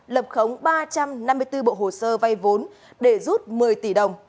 lập khống ba trăm năm mươi bốn bộ hồ sơ vay vốn để rút một mươi tỷ đồng